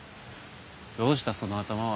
どうしたその頭は。